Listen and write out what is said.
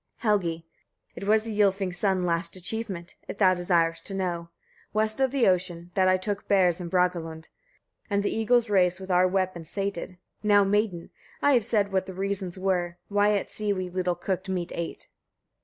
Helgi. 7. It was the Ylfings' son's last achievement, if thou desirest to know west of the ocean, that I took bears in Bragalund, and the eagles' race with our weapons sated. Now, maiden! I have said what the reasons were, why at sea we little cooked meat ate.